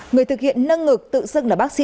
người thực hiện nâng ngực tự xưng là bác sĩ